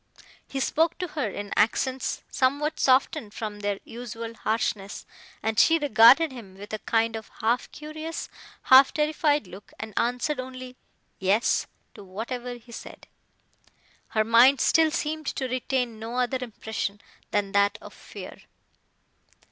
He spoke to her in accents somewhat softened from their usual harshness, but she regarded him with a kind of half curious, half terrified look, and answered only "yes," to whatever he said. Her mind still seemed to retain no other impression, than that of fear.